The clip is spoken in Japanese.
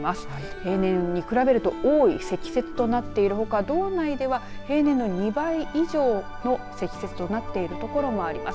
例年に比べると多い積雪となっているほか道内では平年の２倍以上の積雪となっている所もあります。